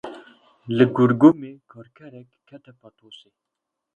Li Gurgumê karkerek kete patosê.